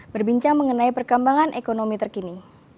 berbincang mengenai perkembangan ekonomi terkini